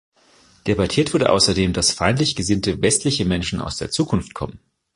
Debattiert wurde außerdem, dass feindlich gesinnte, westliche Menschen aus der Zukunft kommen.